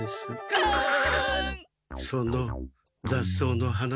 ガン！